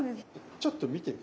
ちょっと見て。